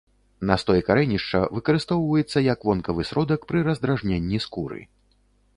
Настой карэнішча выкарыстоўваецца як вонкавы сродак пры раздражненні скуры.